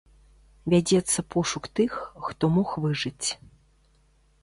Вядзецца пошук тых, хто мог выжыць.